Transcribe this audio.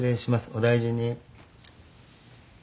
お大事に。